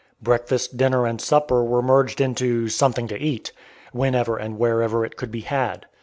Breakfast, dinner, and supper were merged into "something to eat," whenever and wherever it could be had.